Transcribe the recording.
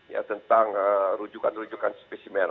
ya tentang rujukan rujukan spesimen